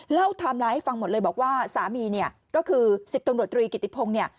เล่าทำลายให้ฟังหมดเลยบอกว่าสามีก็คือ๑๐ตำรวจตรีกิติพง